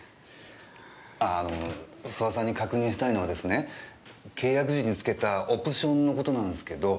あの諏訪さんに確認したいのはですね契約時に付けたオプションの事なんすけど。